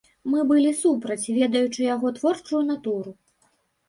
Мы былі супраць, ведаючы яго творчую натуру!